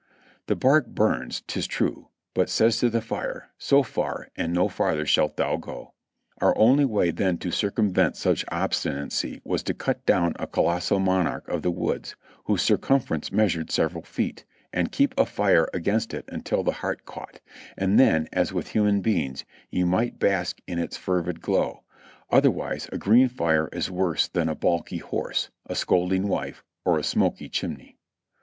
The bark burns, 'tis true, but says to the fire, "so far, and no farther shalt thou go." Our only way then to circumvent such obstinacy was to cut down a colossal monarch of the woods, whose circumference measured several feet, and keep a fire against it until the heart caught, and then, as with human beings, you might bask in its fervid glow ; otherwise a green fire is worse than a balky horse, a scolding wife or a smoky chimney.